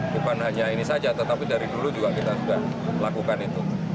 bukan hanya ini saja tetapi dari dulu juga kita sudah lakukan itu